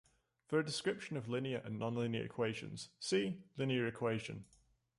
For a description of linear and nonlinear equations, see "linear equation".